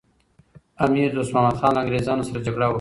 امیر دوست محمد خان له انګریزانو سره جګړه وکړه.